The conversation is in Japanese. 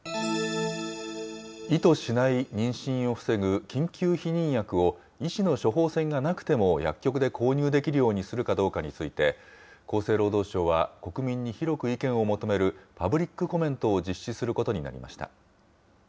意図しない妊娠を防ぐ緊急避妊薬を医師の処方箋がなくても薬局で購入できるようにするかどうかについて、厚生労働省は国民に広く意見を求めるパブリックコメントを実施することになりました。